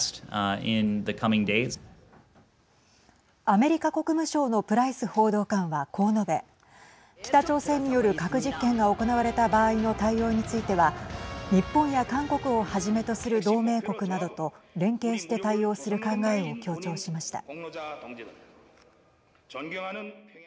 アメリカ国務省のプライス報道官は、こう述べ北朝鮮による核実験が行われた場合の対応については日本や韓国をはじめとする同盟国などと連携して対応する考えを強調しました。